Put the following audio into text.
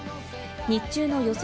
日中の予想